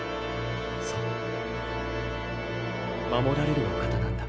そう護られるお方なんだ。